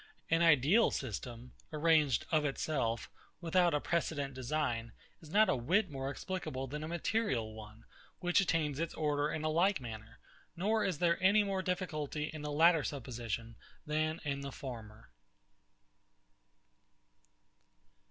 An ideal system, arranged of itself, without a precedent design, is not a whit more explicable than a material one, which attains its order in a like manner; nor is there any more difficulty in the latter supposition than in the former.